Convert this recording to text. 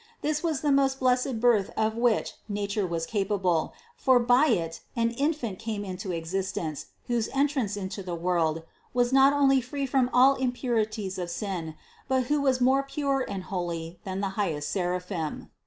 This was the most blessed birth of which nature was capable, for by it an In fant came into existence, whose entrance into the world was not only free from all impurities of sin, but who was more pure and holy than the highest sera 272 CITY OF GOD phim.